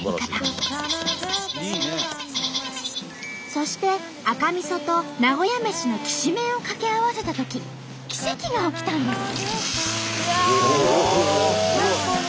そして赤みそと名古屋メシのきしめんを掛け合わせたとき奇跡が起きたんです。